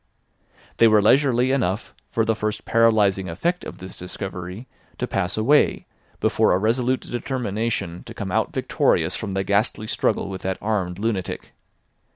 They were leisurely enough for the first paralysing effect of this discovery to pass away before a resolute determination to come out victorious from the ghastly struggle with that armed lunatic.